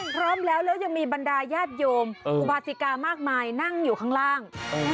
พร้อมแล้วแล้วยังมีบรรดาญาติโยมอุบาสิกามากมายนั่งอยู่ข้างล่าง